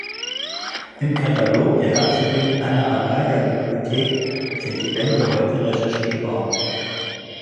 Im Katalog der Herzogin Anna Amalia Bibliothek sind die Bände heute recherchierbar.